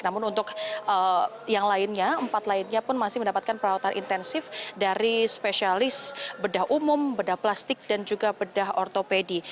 namun untuk yang lainnya empat lainnya pun masih mendapatkan perawatan intensif dari spesialis bedah umum bedah plastik dan juga bedah ortopedi